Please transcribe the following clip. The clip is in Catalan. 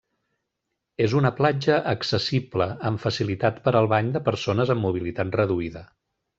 És una platja accessible, amb facilitat per al bany de persones amb mobilitat reduïda.